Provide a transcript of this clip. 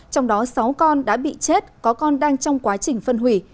trong đó sáu con đã bị chết có con đang trong quá trình phân hủy